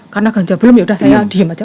karena ganja belum ya udah saya diem aja